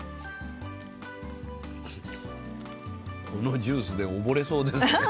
このジュースで溺れそうですね。